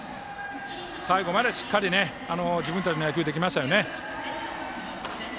最後までしっかり、自分たちの野球ができましたよね。